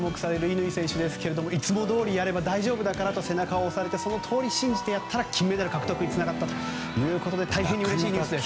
乾選手ですけどもいつもどおりやれば大丈夫だからと背中を押されてそのとおり信じてやったら金メダル獲得につながったということで大変うれしいニュースです。